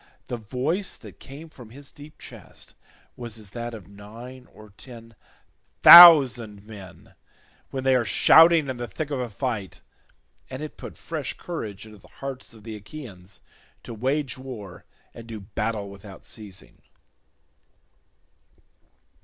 The voice that came from his deep chest was as that of nine or ten thousand men when they are shouting in the thick of a fight, and it put fresh courage into the hearts of the Achaeans to wage war and do battle without ceasing.